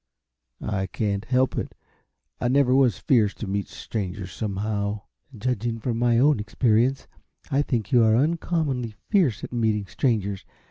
"I can't help it. I never was fierce to meet strangers, somehow." "Judging from my own experience, I think you are uncommonly fierce at meeting strangers.